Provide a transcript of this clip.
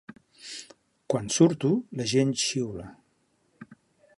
Quan surto, la gent xiula.